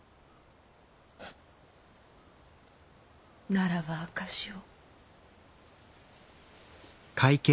ならば証しを。